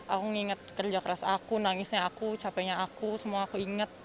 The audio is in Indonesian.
aku nginget kerja keras aku nangisnya aku capeknya aku semua aku inget